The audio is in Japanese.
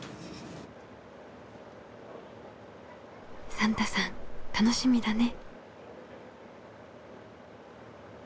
サンタさん楽しみだね。